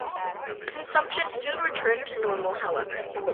Consumption soon returned to normal however.